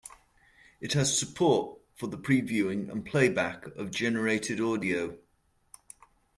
It has support for the previewing and playback of generated audio.